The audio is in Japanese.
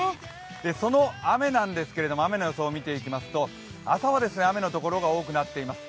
その雨なんですけれども、予想を見ていきますと朝は雨のところが多くなっています。